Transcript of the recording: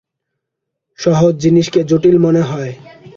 সহজ জিনিসকে জটিল মনে হয়।